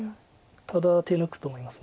ただ手抜くと思います。